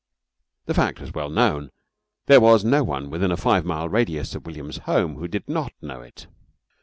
The fact was well known. There was no one within a five mile radius of William's home who did not know it.